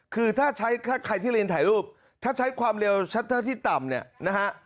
คือถ้าใช้ใครที่เรียนถ่ายรูปถ้าใช้ความเร็วชัตเตอร์ที่ต่ำเนี่ยนะฮะ